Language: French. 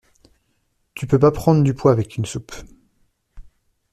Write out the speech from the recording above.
Tu peux pas prendre du poids avec une soupe.